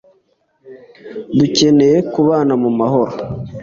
dukeneye kubana mu mahoro